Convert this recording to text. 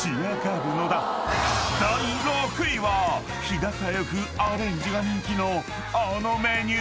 ［日高屋風アレンジが人気のあのメニュー］